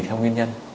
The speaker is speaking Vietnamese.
theo nguyên nhân